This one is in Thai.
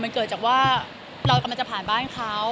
มันเกิดจากว่าเรากำลังจะผ่านบ้านเขา